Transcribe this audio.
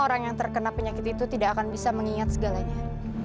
orang yang terkena penyakit itu tidak akan bisa mengingat segalanya